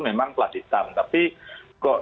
memang plat hitam tapi kok